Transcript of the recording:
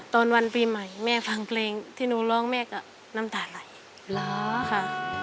ตอนวันปีใหม่แม่ฟังเพลงที่หนูร้องแม่ก็น้ำตาไหลล้อค่ะ